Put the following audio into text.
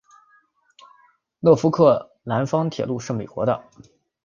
诺福克南方铁路是美国的。